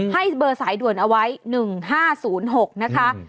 ให้เบอร์สายด่วนเอาไว้๑๕๐๖นะคะ